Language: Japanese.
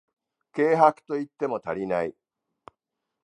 軽薄と言っても足りない